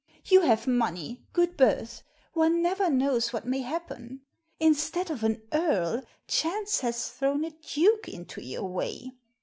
You have money, good birth ; one never knows what may happen. Instead of an earl, chance has thrown a duke into your way.